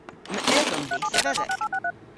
Yma edhomm dhis a vedhek.